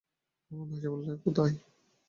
লাবণ্য হেসে বললে, কোথায়।